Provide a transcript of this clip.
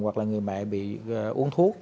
hoặc là người mẹ bị uống thuốc